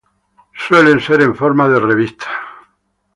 Suelen ser en forma de revista.